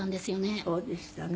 そうでしたね。